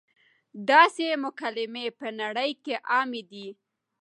داسې مکالمې پۀ نړۍ کښې عامې دي -